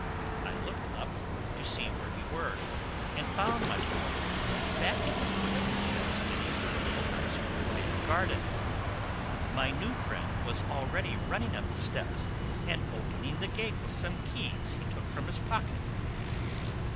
I looked up to see where we were and found myself back at the foot of the steps leading to the little house with the big garden! My new friend was already running up the steps and opening the gate with some keys he took from his pocket.